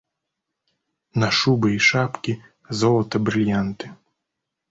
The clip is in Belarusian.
На шубы і шапкі, золата-брыльянты.